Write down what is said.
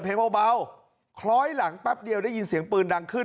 เบาคล้อยหลังแป๊บเดียวได้ยินเสียงปืนดังขึ้น